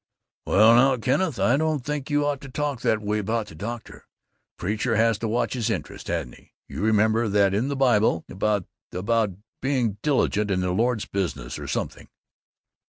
"Well, now Kenneth, I don't think you ought to talk that way about the doctor. A preacher has to watch his interests, hasn't he? You remember that in the Bible about about being diligent in the Lord's business, or something?"